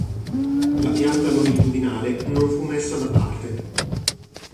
La pianta longitudinale non fu messa da parte.